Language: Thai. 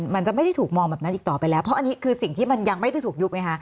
มันจะไม่ได้ถูกมองแบบนั้นอีกต่อไปแล้วเพราะอันนี้คือสิ่งที่มันยังไม่ได้ถูกยุบไงคะ